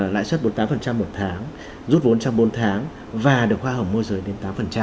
lãi suất bốn mươi tám một tháng rút vốn trong bốn tháng và được hoa hồng môi giới đến tám